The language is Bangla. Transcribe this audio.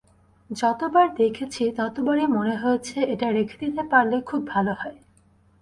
যতবার দেখেছি ততবারই মনে হয়েছে, এটা রেখে দিতে পারলে খুব ভালো হয়।